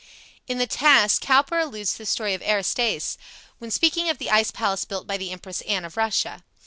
In "The Task," Cowper alludes to the story of Aristaeus, when speaking of the ice palace built by the Empress Anne of Russia.